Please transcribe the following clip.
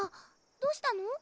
どうしたの？